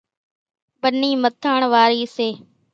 ٻنِي مٿاڻ وارِي سي۔